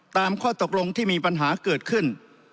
ข้อตกลงที่มีปัญหาเกิดขึ้น